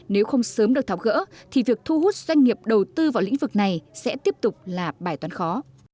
nếu không sớm được tháo gỡ thì việc thu hút doanh nghiệp đầu tư vào lĩnh vực này sẽ tiếp tục là bài toán khó